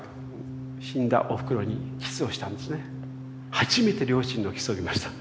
初めて両親のキスを見ました。